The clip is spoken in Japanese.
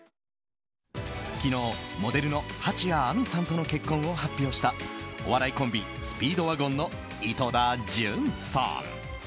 昨日モデルの蜂谷晏海さんとの結婚を発表したお笑いコンビスピードワゴンの井戸田潤さん。